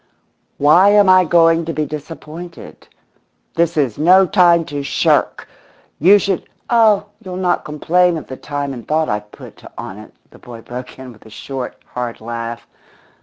"Why am I going to be disappointed? This is no time to shirk! You should " "Oh, you'll not complain of the time and thought I've put on it," the boy broke in with a short, hard laugh.